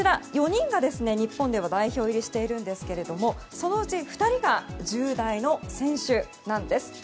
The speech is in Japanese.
日本では４人が代表入りしているんですけどそのうち２人が１０代の選手なんです。